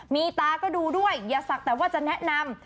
มีตาก็ดูด้วยอย่าศักดิ์แต่ว่าจะแนะนำ